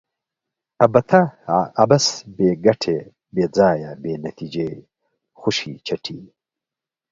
ابته ؛ عبث، بې ګټي، بې ځایه ، بې نتیجې، خوشي چټي